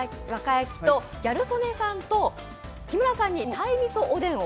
やきをギャル曽根さんと木村さんに鯛味噌おでんを。